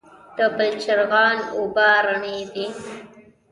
د بلچراغ اوبه رڼې دي